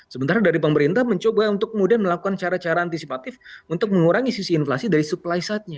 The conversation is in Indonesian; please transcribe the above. sementara dari pemerintah mencoba untuk kemudian melakukan cara cara antisipatif untuk mengurangi sisi inflasi dari supply side nya